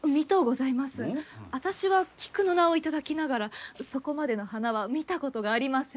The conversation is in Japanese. あたしは「菊」の名を頂きながらそこまでの花は見たことがありません。